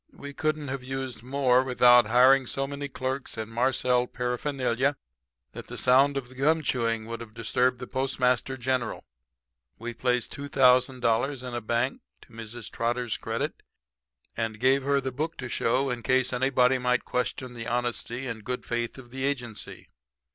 We couldn't have used more without hiring so many clerks and marcelled paraphernalia that the sound of the gum chewing would have disturbed the Postmaster General. "We placed $2,000 in a bank to Mrs. Trotter's credit and gave her the book to show in case anybody might question the honesty and good faith of the agency.